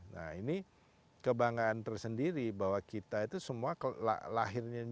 nah ini kebanggaan tersendiri bahwa kita itu semua lahirnya